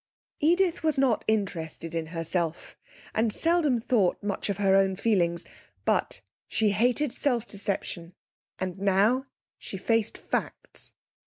Edith was not interested in herself, and seldom thought much of her own feelings, but she hated self deception; and now she faced facts.